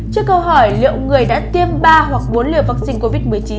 trước câu hỏi liệu người đã tiêm ba hoặc bốn liều vaccine covid một mươi chín